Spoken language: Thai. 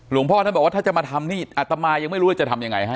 หลวงพ่อน่ะบอกว่าถ้าจะมาทำอาร์ตามายยังไม่รู้ว่าจะทำยังไงให้